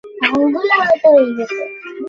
আমি আপনাকে ভারত লাল সম্পর্কে বলেছিলাম না?